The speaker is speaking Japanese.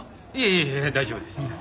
いえいえ大丈夫です。